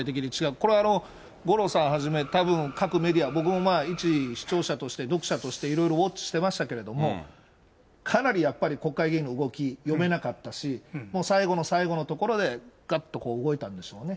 これは五郎さんをはじめ、たぶん、各メディア、僕もまあ、一視聴者として、読者として、いろいろウォッチしてましたけれども、かなりやっぱり、国会議員の動き、読めなかったし、もう最後の最後のところで、がっとこう、動いたんでしょうね。